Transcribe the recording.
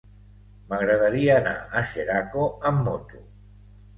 M'agradaria anar a Xeraco amb moto.